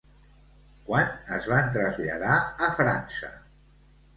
Quan es van traslladar a França?